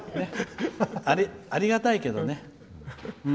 ありがたいけどね。